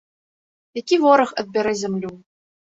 Які вораг адбярэ зямлю?